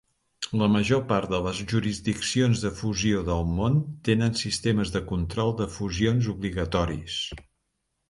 La major part de les jurisdiccions de fusió del món tenen sistemes de control de fusions obligatoris.